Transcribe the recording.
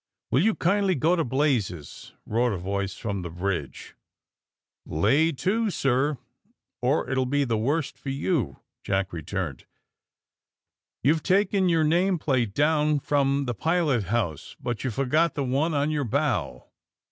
'^Will you kindly go to blazes!" roared a voice from the bridge. ^^Lay to, sir, or it will be the worse for you!" Jack returned. *^ You've taken your name plate down from the pilot house, but you forgot the one on your bow.